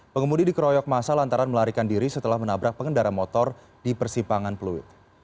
pengemudi dikeroyok masa lantaran melarikan diri setelah menabrak pengendara motor di persipangan pluit